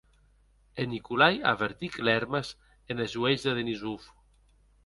E Nikolai avertic lèrmes enes uelhs de Denisov.